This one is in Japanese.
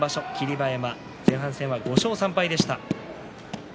馬山前半は５勝３敗でした。